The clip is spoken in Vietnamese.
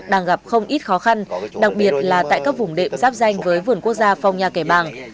đang gặp không ít khó khăn đặc biệt là tại các vùng đệm giáp danh với vườn quốc gia phong nha kẻ bàng